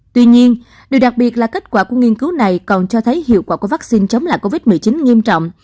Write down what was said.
tuy nhiên điều đặc biệt là kết quả của nghiên cứu này còn cho thấy hiệu quả của vaccine chống lại covid một mươi chín nghiêm trọng